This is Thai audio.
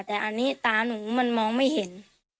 แต่อันนี้ตาหนูมันมองไม่เห็น